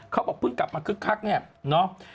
เขาบอกเพิ่งกลับมาคึกคักเนี่ยเนาะ